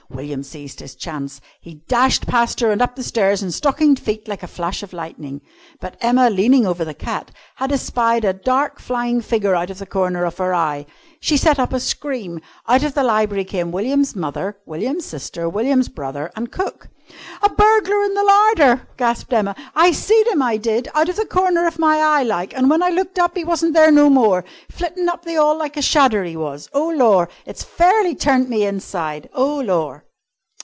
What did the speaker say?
William seized his chance. He dashed past her and up the stairs in stockinged feet like a flash of lightning. But Emma, leaning over the cat, had espied a dark flying figure out of the corner of her eye. She set up a scream. Out of the library came William's mother, William's sister, William's brother, and cook. "A burglar in the larder!" gasped Emma. "I seed 'im, I did! Out of the corner of my eye, like, and when I looked up 'e wasn't there no more. Flittin' up the 'all like a shadder, 'e was. Oh, lor! It's fairly turned me inside! Oh, lor!"